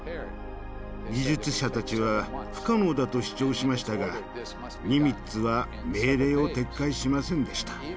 技術者たちは不可能だと主張しましたがニミッツは命令を撤回しませんでした。